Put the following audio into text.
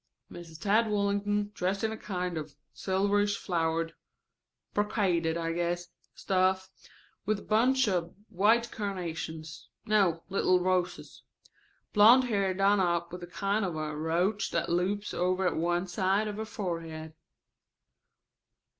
"Mrs. Tad Wallington, dressed in a kind of silverish flowered brocaded, I guess stuff, with a bunch of white carnations no, little roses. Blond hair done up with a kind of a roach that lops over at one side of her forehead."